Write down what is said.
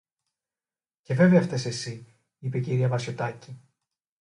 Και βέβαια φταις εσύ, είπε η κυρία Βασιωτάκη